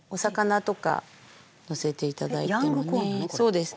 そうです。